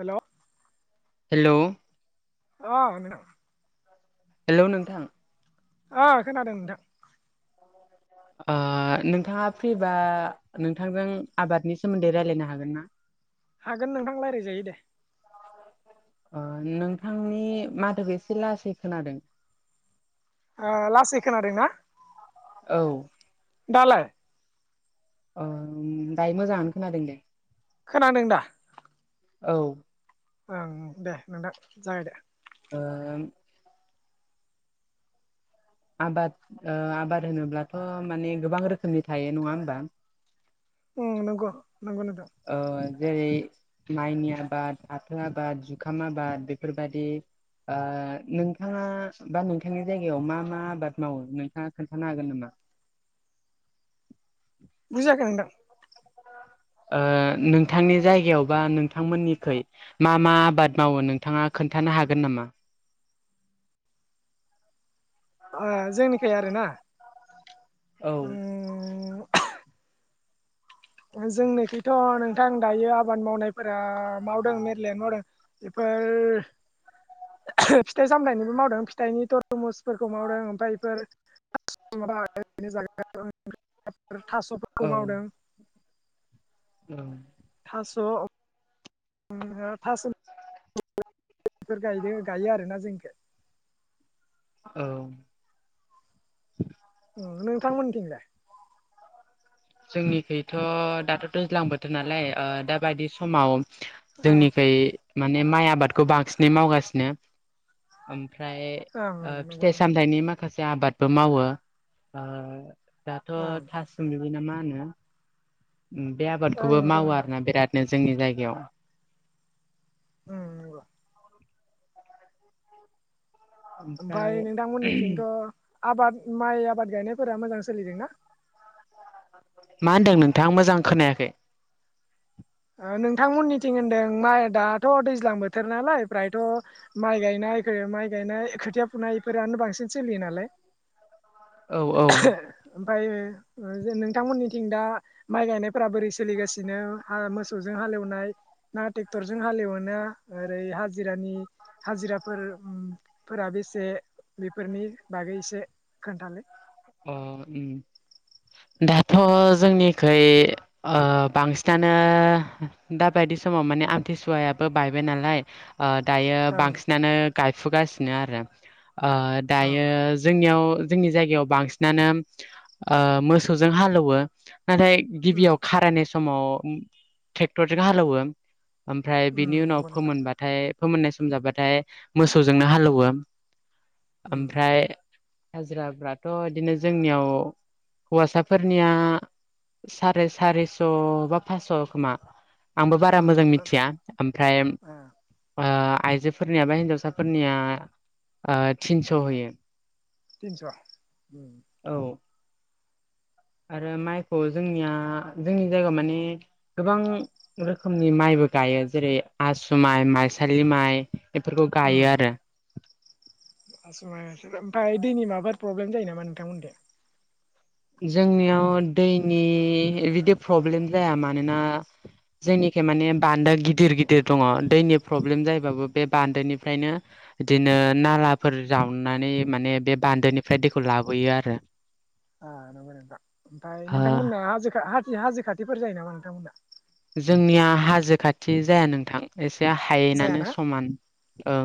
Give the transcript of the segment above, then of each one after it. हेल' hello अ hello नोंथां ओ खोनादों नोंथां ओ नोंथाङा फ्रिबा नोंथांजों आबादनि सोमोन्दै रायलायनो हागोन ना हागोन नोंथां लायरायजायो दे। अ नोंथांनि माथोखौ एसे लासै खोनादों ओ लासै खोनादोंना औ दालाय अ दायो मोजाङानो खोनादों दे खोनादों दा औ ओं दे नोंथां जागाय दे ओ आबाद ओ आबाद होनोब्लाथ' माने गोबां रोखोमनि थायो नङा होमबा? औ नंगौ नंगौ नोंथां ओ जेरै माइनि आबाद फाथो आबाद जुखाम आबाद बेफोरबायदि ओ नोंथाङा बा नोंथांनि जायगायाव मा मा आबाद मावो नोंथाङा खोन्थानो हागोन नामा? [inaudible] बुजियाखै नोंथां [inaudible] ओ नोंथांनि जायगायाव बा नोंथांमोननिखै मा मा आबाद मावो नोंथाङा खोन्था थानो हागोन नामा? ओ जोंनिखाय आरोना औ उम जोंनिखैथ' नोंथां दायो आबाद मावनायफोरा मावदों मेरलाय मावदों बेफोर [unintelligible] फिथाइ सामनिबो मावदों फिथाइनि तरमुसफोरखौ मावदों ओमफ्राय इफोर [unintelligible] थास'फोरखौ मावदों। औ थास' [unintelligible] बेफोर गायदों गायो आरोना जोंनिखै औ उम नोंथांमोनथिंलाय जोंनिखैथ' दाथ' दैज्लां बोथोर नालाय ओ दाबायदि समाव ओं जोंनिखै माने माइ आबादखौ बांसिनै मावगासिनो ओमफ्राय ओं ओ नंगौ फिथाइ नोंथां सामथायाइनि माखासे आबादबो मावो। दाथ' ओं थासमलुयो ना मा होनो बे ओं आबादखौबो नंगौ मावो नोंथां आरोना बिरादनो जोंनि जायगायाव उम नंगौ ओमफ्राय नोंथांमोननिथिंथ' आबाद माइ आबाद गायनायफोरा मोजां सोलिदोंना? मा होनदों नोंथाङा मोजां खोनायाखै। नोंथांमोननिथिं होनदों माइ दाथ' दैज्लां बोथोर नालाय फ्रायथ' माइ गायनाय जायगायाव माइ गायनाय खोथिया फुनाय बेफोरानो बांसिन सोलियो नालाय औ औ ओमफाय नोंथांमोननिथिं दा माइ गायनायफोरा बोरै सोलिगासिनो? मोसौजों हालेवनाय ना ट्रेक्टरजों हालेवो ना ओरै हाजिरानि हाजि फोरा बेसे बेफोरनि बागै एसे खोन्थालाय? अह दाथ' जोंनिखै ओ बांसिनानो दाबाय बायदि समाव माने आमथिसुवायाबो बायबाय नालाय दायो ओं बांसिनानो गायफुगासिनो आरो ओं दायो जोंनियाव जोंनि जायगायाव बांसिन बांसिनानो मोसौजों हालौयो नाथाय उम गिबियाव खाराय सम समाव ट्रेक्टरजों हालौवो ओमफ्राय उम बिनि उनाव नंगौ नोंथां फोमोनबाथाय फोमोननाय सम जाबाथाय मोसौजोंनो हालौवो उम ओमफ्राय हाजिराफ्राथ' बिदिनो जोंनियाव हौवासाफोरनिया साराय सारिस' बा फासस' खोमा आंबो बारा मोजां उम मिथिया ओमफ्राय ओ ओ आइजोफोरनिया बा हिन्जावसाफोरनिया थिनस' होयो। तिनस' औ आरो माइखौ जोंनिया जोंनि जायगायाव माने गोबां रोखोमनि माइ बो गायो जेरै आसु माइ माइसालि माइ बेफोरखौ उम गायो आरो। ओमफ्राय दैनि माबाफोर प्रब्लेम जायो नामा नोंथांमोनिथिं? जोंनियाव दैनि बिदि प्रब्लेम जाया मानोना जोंनि माने बान्दो गिदिर गिदिर दङ दैनि प्रब्लेम जायोबाबो बे बान्दोनिफ्रायनो बिदिनो नालाफोर जावनानै माने बे बान्दोनिफ्राय दैखौ लाबोयो आरो। ओ नंगौ नोंथां ओमफ्राय ओ नोंथांमोना हाजो हाजो हाजो खाथिफोर जायो नामा नोंथांमोना? जोंनिया हाजो खाथि जाया नोंथां एसे हायैनो जायाना समान औ।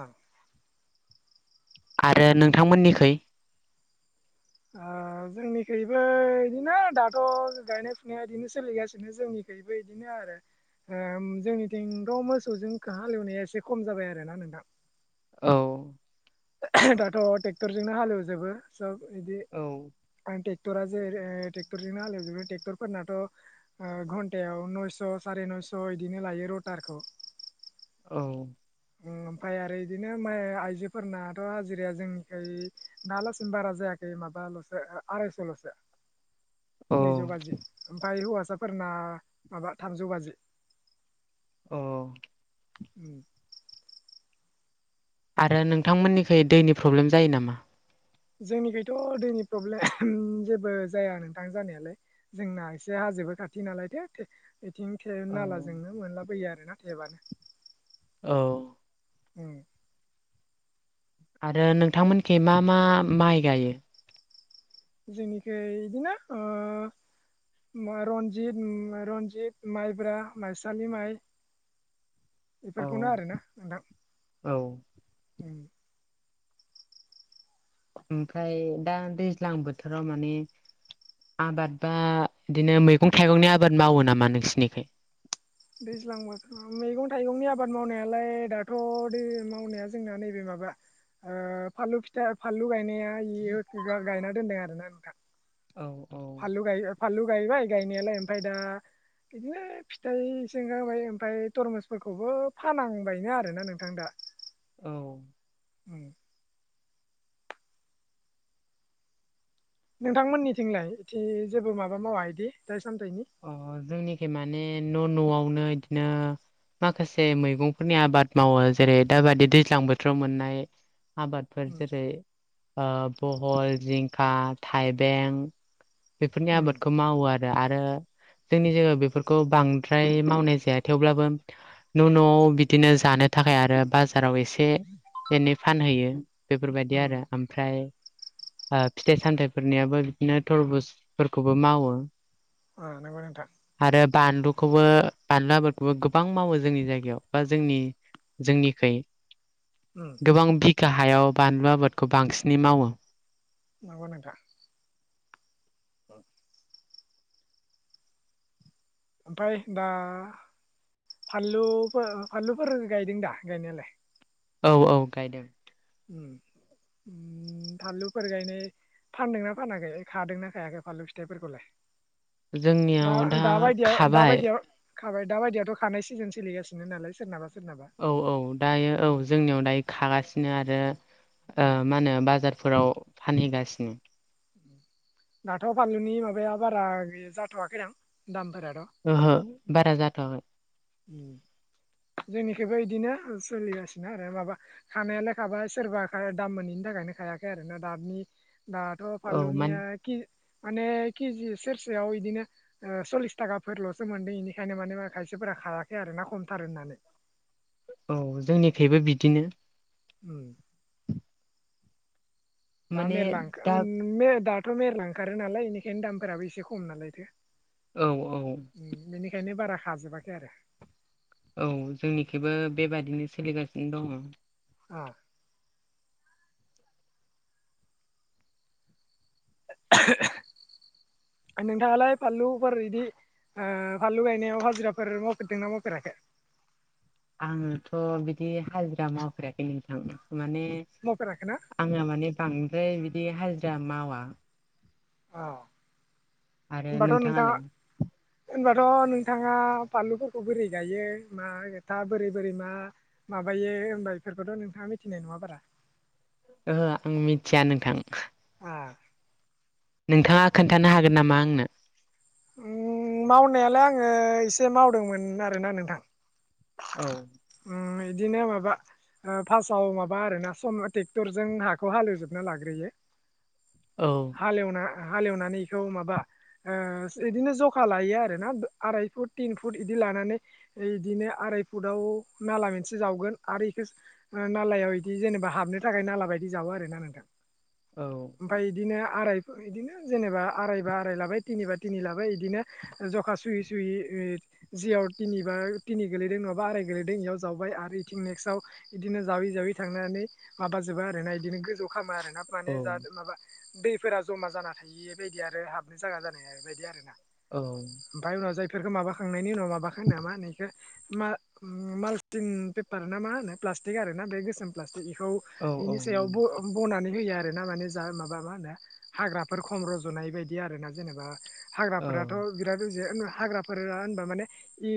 ओ आरो नोंथांमोननिखै? ओ जोंनिखैबो बिदिनो दाथ' गायनाय फुनाया बिदिनो सोलिगासिनो जोंनि बेबो एसे आरो। ओ जोंनिथिंथ' मोसौजों हालेवनाया एसे खम जाबाय आरो ना नोंथां। औ। दाथ' ट्रेक्टरजोंनो हालेवजोबो सब बिदि औ [unintelligible] ट्रेक्ट'रा जेरै ट्रेक्टरजोंनो हालेव जुबो ट्रेक्टर फोरनाथ' ओ घन्टायाव नयस' साराय नय' थस' बिदिनो लायो रटारखौ। औ। ओमफ्राय आरो इदिनो माय आइजोफोरनाथ हाजिराया जोंनिखै ना लासिन बारा जायाखै माबा ओ-ओ आरायस' ल'सो औ नैजौ बाजि ओमफाय हौवा फो फोरना माबा थामजौ बाजि। अ। उम। आरो नोंथांमोननिखै दैनि प्रब्लेम जायो नामा? जोंनिखैथ' दैनि प्रब्लेम जेबो जाया नोंथां जानायालाय जोंना एसे आ हाजोबो खाथि नालायथो बेथिं थेब औ नालाजोंनो मोनलाबोयो आरोना टेबआनो। औ। ओम। आरो नोंथांमोनखै मा मा माइ गायो? जोंनिखै इदिनो ओ उम्मो रनजित उम्मो रनजित माइब्रा माइसालि माइ। औ एफोरखौनो आरोना नोंथां औ उम। ओमफ्राय दा दैज्लां बोथोराव माने आबाद बा बिदिनो मैगं थाइगंनि आबाद मावो नामा नोंसिनिखै? दैज्लां [unintelligible] मैगं थाइगंनि आबाद मावनायालाय दाथ दै मावनाया जोंना नैबे माबा ओ फानलु फिथा फानलु गायनाया इयो आं गायना दोनाय आरो ना नोंथां। औ औ फानलु गाय फानलु गायबाय गायनायालाय ओमफ्राय दा बिदिनो फिथाइ सों गांबाय ओमफ्राय तरमुसफोरखौबो फानांबायनो आरोना नोंथां दा। औ। उ। नोंथां मोननिथिंलाय इथि जेबो माबा मावा इदि ओ अ जोंनिखि माने न' न'आवनो इदिनो माखासे मैगंफोरनि आबाद मावो जेरै दाबादि दैज्लां बोथोराव मोननाय आबादफोर उम जेरै ओ बहल जिंखा थाइबें बेफोरनि उम आबादखौ मावो आरो आरो जोंनि जायगायाव बेफोरखौ बांद्राय मावनाय जाया थेवब्लाबो न' न'आव बिदिनो जा दानो थाखाय आरो बाजाराव एसे एनै फानहैयो बेफोरबायदि उम आरो ओमफ्राय ओ फिथाइ सामथाइफोरनियाबो बिदिनो थरबुजफोरखौबो मावो। ओ नांगो नोंथां। आरो बानलुखौबो बानलु आबादखौबो गोबां मावो जोंनि जायगायाव बा जोंनि जोंनिखै। उम गोबां बिगा हायाव बानलु आबादखौ बांसिनै मावो। नंगौ नोंथां ओमफाय दा फानलुफोर फानलुफोर गायदों दा गायनायालाय? औ औ गायदों। उम [inaudible] फानलुफोर गायनाय फानदोंना फानाखै खादोंना खायाखै फानलु फिथाइफोरखौलाय? दा ओ दाबायदियाव ओ खाबाय दाबायदियाव खाबाय दा बायदियाथ खानाय सिजोन सोलिगासिनो नालाय सोरनाबा। सोरनाबा औ औ दायो औ उम जोंनियाव दायो खागासिनो आरो ओ उम मा होनो बाजार फोराव फानहैगासिनो दाथ फानलुनि माबाया बारा गै जाथवाखैदां दाम ओहो बारा जाथ'वाखै। उम। जोंनिखैबो इदिनो सोलिगासिनो आरो माबा खानायालाय खाबाय सोरबा खा दाम मोनैनि थाखाय थाखायनो खायाखै आरो ना दानि दाथ' औ मान फानलुनियाखि माने केजि सेरसेयाव इदिनो ओ सल्लिस थाखाफोरलसो मोनदों एनिखायनो माने खायसेफोरा खायाखै आरोना खमथार होननानै। औ जोंनिखैबो बिदिनो। उम। दा माने मेरला ओंखा दा ओ दाथ' मेरला ओंखारो नालाय बेनिखायनो दामफोराबो एसे खम नालायथो। औ उम बेनिखायनो बारा हाबजोबाखै आरो। औ जोंनिखैबो बेबादिनो सोलिगासिनो दंङ। आ। ओ नोंथांङालाय फानलुफोर इदि ओ फानलु गायनायाव हाजिराफोर मावफेरदोंना मावफेराखै? [inaudible] आंङोथ बिदि हाजिरा मावफेराखैे नोंथां। माने मावफेराखै ना आंङो माने बांद्राय बिदि हाजिरा मावा। औ। आरो नोंथाङालाय? होनबाथ' नोंथाङा फानलुफोरखौ बोरै गायो मा खोथा बोरै बोरै मा। माबायो होमबा बेफोरखौथ' नोंथाङा मिथिनाय नङा बारा? ओहो आं मिथिया नोंथां। आ। नोंथांङा खोन्थानो हागोन नामा आंनो? उम मावनायालाय आङो एसे मावदोंमोन आरोना नोंथां। औ। ओ इदिनो माबा ओ फास्साव माबा आरोना सम'थे ट्रेक्टरजों हाखौ हालेवजोबना लाग्रोयो। औ हालेवना हालेवनानै इखौ माबा ओ इदिनो जखा लायो आर ना आराय फुट थिन फुट इदि लानानै इदिनो आराय फुटाव नाला मोनसे जावगोन आरो इखो ओ नालायाव इदि जेनेबा हाबनो थाखाय नाला बायदि जावो आरोना नोंथां। औ ओमफाय इदिनो आराय इदिनो जेनेबा आरायबा आराय लाबाय तिनि बा तिनि लाबाय इदिनो ओ जखा सुयै सुयै ओ जियाव तिनि बा तिनि गोलैदों नङाबा आराइ गेलेदों इयाव जावबाय आरो इथिं नेक्स्टआव इदिनो जावै जावै थांनानै माबाजोबो आरो ना इदिनो गोजाव खौ खामो आरो। नाब माने औ जाजो माबा दैफोरा जमा जाना थायि बायदि आरो हाबनो जायगा जानाय बायदि आरो ना। औ ओमफाय उनाव जायफोरखौ माबाखांनायनि उनाव माबाखां नामा नैखौ मा माल्टिं पेपार ना मा होनो प्लास्टिक आर ना बे गोसोम प्लास्टिक खौ औ इनि सायाव ब बनानै होयो आ। आरोना माने जा माबा मा होनो हाग्राफोर खम रज'नाय बायदि आरो ना जेनेबा औ हाग्राफोराथ' बिराद रज यो हाग्राफोरा होनबा माने इ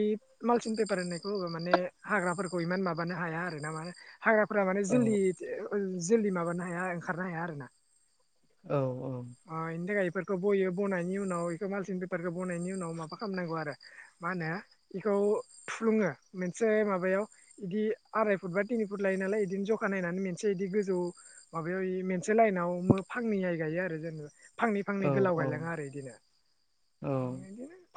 मालसिन पेपार होननायखौ होबा माने हाग्राफोरखौ इमान माबा माबानो हाया आरो ना मा हाग्राफ्रा माने औ जोलदि ओ जोलदि माबानो हाया ओंखारनो हाया आरो ना। औ। अ इनिथाखाय फोरखौ बयो बनायनि उनाव एखौ मालसिन फेफारखौ बनायनि उनाव माबा खामनांगौ आरो मा होनो इखौ ऊ थुफ्लुङो मनसे माबायाव बिदि आराय फुट बा थिनि फुट लायो नालाय इदिनो जखा नायनानै मेनसे इदि गोजौ माबायाव मेनसे लाइनाव फांनै हाइ गायो आरो जों। फांनै फांनै गोलाव औ गायलाङो आरो इदिनो। औ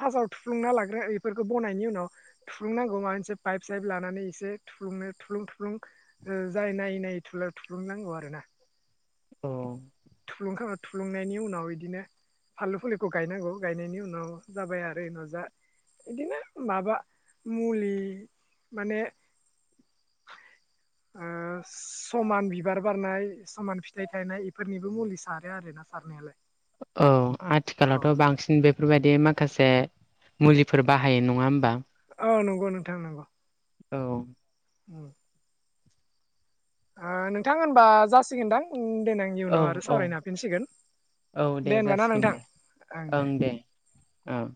फार्स्टाव थुफ्लुंना लाग्रो इफोरखौ बनायनि उनाव थुफ्लुंनांगौ माब मोनसे पाइप साइप लानानै एसे थुफ्लुं नो थुफ्लुं थुफ्लुं ओ जाय नायै नायै थु थुफ्लुं नांगौ आरो ना। औ थुलुंखाङो थुलुंनायनि उनाव इदिनो। फानलु फुलिखौ गायनांगौ गायनायनि उनाव जाबाय आरो उनाव जा बिदिनो माबा मुलि माने [inaudible] ओ समान बिबार बारनाय समान फिथाइ थायनाय इफोरनिब मुलि सारो आरो ना सारनायालाय। औ अ आथिखालावथ' बांसिन बेफोरबायदि माखासे मुलिफोर बाहायो नङा होमबा? औ नंगौ नोथां नंगौ। औ ओं हो नोंथां होनबा जासिगोनदां देनां औ इउनाव आरो औ सावरायनो हाफिनसिगोन। औ दे होनबा ना जासिगोन नोंथां दे ओं ओं।